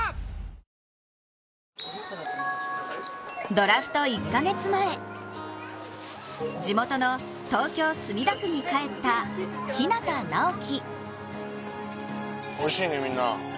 ドラフト１か月前、地元の東京・墨田区に帰った日當直喜。